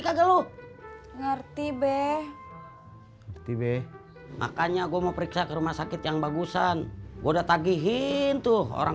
enak aja lu ngerti bebe makanya gua mau periksa ke rumah sakit yang bagusan udah tagihin tuh orang